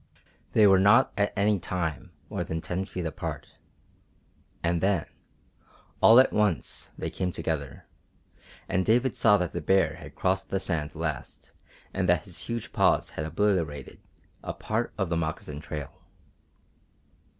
They were not at any time more than ten feet apart. And then, all at once, they came together, and David saw that the bear had crossed the sand last and that his huge paws had obliterated a part of the moccasin trail.